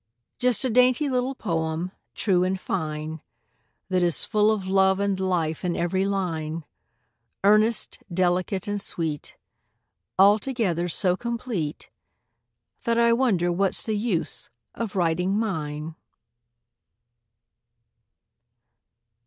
Just a dainty little poem, true and fine, That is full of love and life in every line, Earnest, delicate, and sweet, Altogether so complete That I wonder what's the use of writing mine.